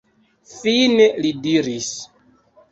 Fine li diris: